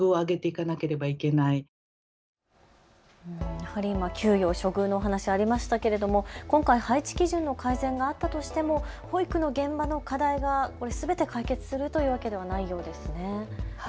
やはり今、給与、処遇の話ありましたけれども今回、配置基準の改善があったとしても保育の現場の課題がすべて解決するというわけではないようですね。